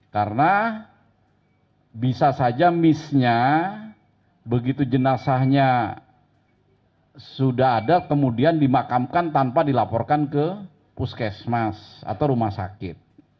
karena bisa saja misnya begitu jenazahnya sudah ada kemudian dimakamkan tanpa dilaporkan ke puskesmas atau rumah sakit